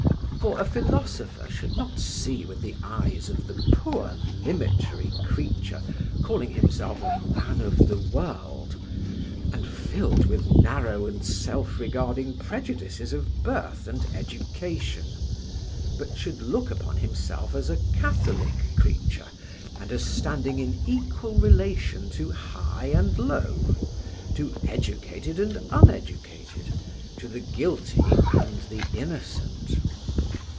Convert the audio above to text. For a philosopher should not see with the eyes of the poor limitary creature calling himself a man of the world, and filled with narrow and self regarding prejudices of birth and education, but should look upon himself as a catholic creature, and as standing in equal relation to high and low, to educated and uneducated, to the guilty and the innocent.